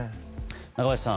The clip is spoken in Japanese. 中林さん